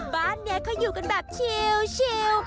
บ้านนี้เขาอยู่กันแบบชิล